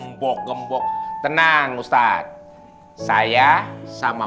gembok gembok tenang ustadz saya sama